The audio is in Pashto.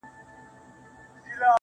د ښار په جوارگرو باندي واوښتلې گراني .